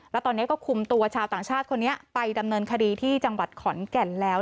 แล้วตอนนี้ก็คุมตัวชาวต่างชาติคนนี้ไปดำเนินคดีที่จังหวัดขอนแก่นแล้ว